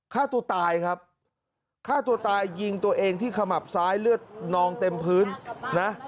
ฆ่าตัวตายครับฆ่าตัวตายยิงตัวเองที่ขมับซ้ายเลือดนองเต็มพื้นนะ